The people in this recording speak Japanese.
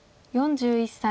４１歳。